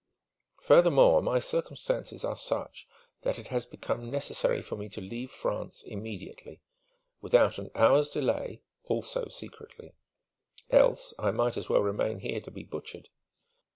Furthermore, my circumstances are such that it has become necessary for me to leave France immediately without an hour's delay also secretly; else I might as well remain here to be butchered....